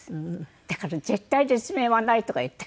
だから絶体絶命はないとか言って。